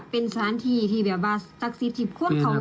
เป็นสะทานที่แบบว่าศักดิ์พิธีที่จัดของเขา